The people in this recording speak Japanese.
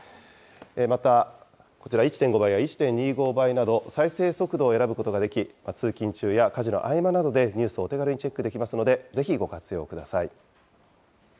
また、こちら、１．５倍や１．２５倍など、再生速度を選ぶことができ、通勤中や家事の合間などにニュースをお手軽にチェックできますので、ぜひご活用ください。